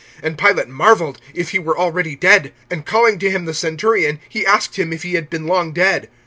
(44)And Pilate marveled, if he were already dead; and calling to him the centurion, he asked him if he had been long dead.